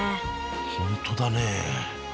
本当だね。